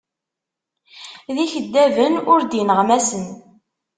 D ikeddaben, ur d ineɣmasen.